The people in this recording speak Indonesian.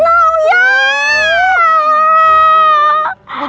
malah sakit lagi